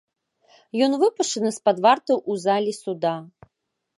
Ён выпушчаны з-пад варты ў залі суда.